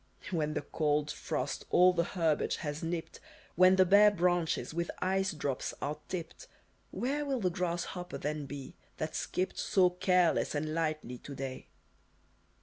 "When the cold frost all the herbage has nipped, When the bare branches with ice drops are tipped, Where will the grasshopper then be, that skipped So careless and lightly to day?